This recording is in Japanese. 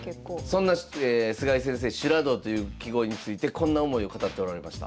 そんな菅井先生「修羅道」という揮毫についてこんな思いを語っておられました。